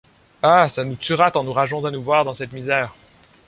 Ah! ça nous tuera, tant nous rageons à nous voir dans cette misère !